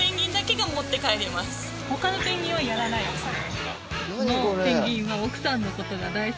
他のペンギンはやらないですね。